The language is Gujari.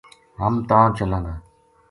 ہم تاں چلاں گا‘‘